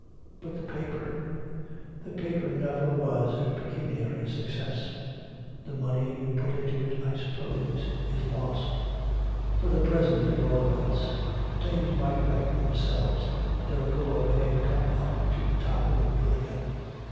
'But the paper?' 'The paper never was a pecuniary success.' 'The money you put into it, I suppose, is lost.' 'For the present at all events. Things may right themselves, Delacour may come up to the top of the wheel again.'